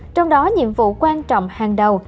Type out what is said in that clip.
trong đó nhiệm vụ quan trọng hàng đầu